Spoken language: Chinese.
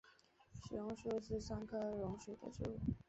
石榕树是桑科榕属的植物。